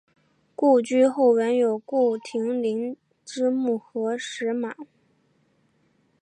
故居后园有顾亭林之墓和石马。